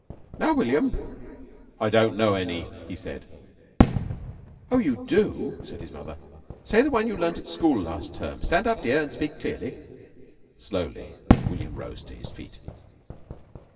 "Now, William!" "I don't know any," he said. "Oh, you do," said his mother. "Say the one you learnt at school last term. Stand up, dear, and speak clearly." Slowly William rose to his feet.